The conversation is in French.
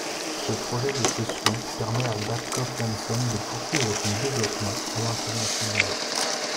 Ce projet de cession permet à Babcock Wanson de poursuivre son développement à l'international.